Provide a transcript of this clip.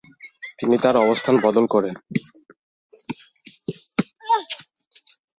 তিনি তার অবস্থান বদল করেন।